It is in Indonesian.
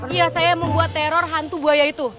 iya saya membuat teror hantu buaya itu